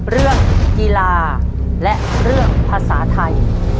เรื่องกีฬาและเรื่องภาษาไทย